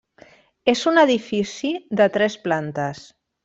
És un edifici de tres plantes.